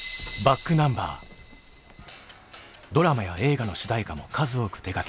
ドラマや映画の主題歌も数多く手がけ